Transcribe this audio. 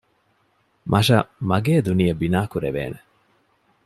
މަށަށް މަގޭ ދުނިޔެ ބިނާ ކުރެވޭނެ